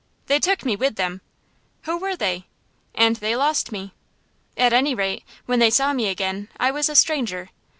They took me with them who were they? and they lost me. At any rate, when they saw me again, I was a stranger.